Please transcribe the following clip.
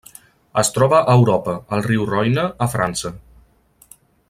Es troba a Europa: el riu Roine a França.